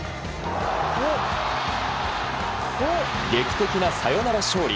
劇的なサヨナラ勝利。